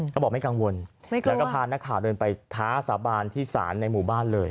เขาบอกไม่กังวลแล้วก็พานักข่าวเดินไปท้าสาบานที่ศาลในหมู่บ้านเลย